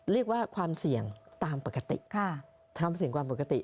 เรียกว่าความเสี่ยงตามปกติทำเสี่ยงความปกติ